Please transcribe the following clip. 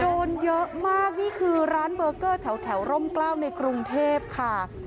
โดนเยอะมากนี่คือร้านเบอร์เกอร์แถวร่มกล้าวในกรุงเทพค่ะ